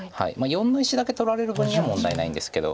④の石だけ取られる分には問題ないんですけど。